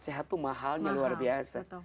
sehat tuh mahalnya luar biasa